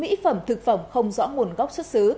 với số lượng lớn mỹ phẩm thực phẩm không rõ nguồn gốc xuất xứ